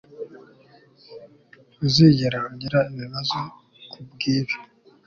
ntuzigera ugira ibibazo kubwibi